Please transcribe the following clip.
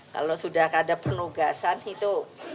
kalau sudah ada penugasan itu